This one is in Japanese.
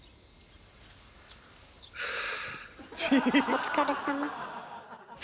お疲れさま。